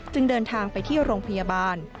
เดินทางไปที่โรงพยาบาล